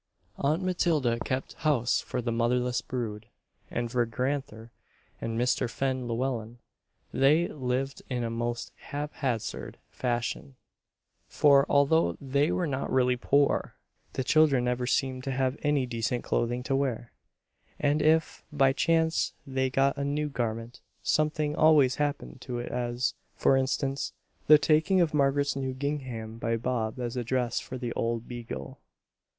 Aunt Matilda kept house for the motherless brood, and for Gran'ther and Mr. Fen Llewellen. They lived in a most haphazard fashion, for, although they were not really poor, the children never seemed to have any decent clothing to wear; and if, by chance, they got a new garment, something always happened to it as, for instance, the taking of Margaret's new gingham by Bob as a dress for old Beagle.